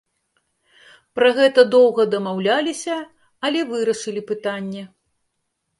Пра гэта доўга дамаўляліся, але вырашылі пытанне.